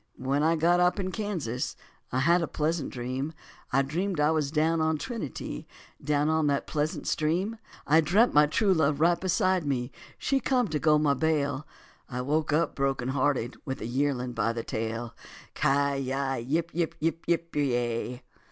When I got up in Kansas, I had a pleasant dream; I dreamed I was down on Trinity, down on that pleasant stream; I dreampt my true love right beside me, she come to go my bail; I woke up broken hearted with a yearling by the tail. Ci yi yip yip yip pe ya.